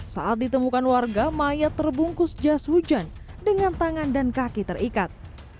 saat ditemukan warga mayat terbungkus jas hujan dengan tangan dan kaki terikat